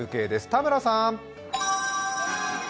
田村さん。